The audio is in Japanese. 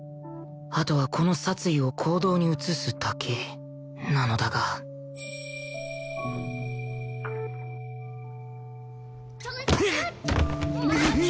あとはこの殺意を行動に移すだけなのだがんぐっ！